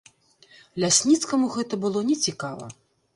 Лясніцкаму гэта было нецікава.